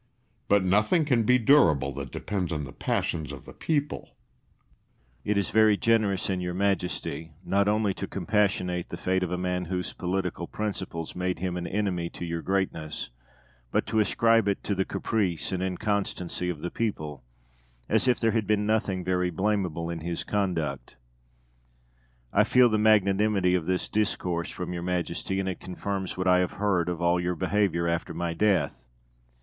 But nothing can be durable that depends on the passions of the people. De Witt. It is very generous in your Majesty, not only to compassionate the fate of a man whose political principles made him an enemy to your greatness, but to ascribe it to the caprice and inconstancy of the people, as if there had been nothing very blamable in his conduct. I feel the magnanimity of this discourse from your Majesty, and it confirms what I have heard of all your behaviour after my death.